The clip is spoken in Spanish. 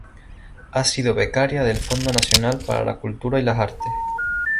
Ha sido becaria del Fondo Nacional para la Cultura y las Artes.